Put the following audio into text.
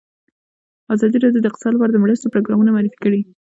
ازادي راډیو د اقتصاد لپاره د مرستو پروګرامونه معرفي کړي.